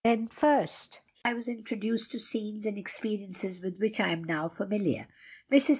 Then first I was introduced to scenes and experiences with which I am now familiar. Mrs.